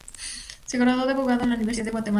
Se graduó de abogado en la Universidad de Guatemala.